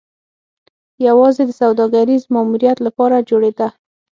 یوازې د سوداګریز ماموریت لپاره جوړېده.